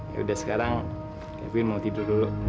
ya udah sekarang kevin mau tidur dulu